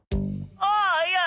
「ああいや！